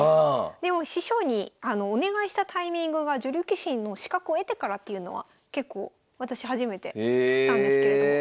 でも師匠にお願いしたタイミングが女流棋士の資格を得てからっていうのは結構私初めて知ったんですけれども。